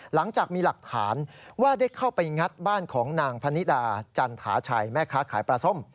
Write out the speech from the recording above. หลังจากมีหลักฐานว่าได้เข้าไปงัดบ้านของนางพนิดาจันทาชัยแม่ค้าขายปลาส้ม